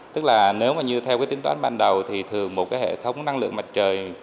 tức là nếu như theo tính toán ban đầu thì thường một hệ thống năng lượng mặt trời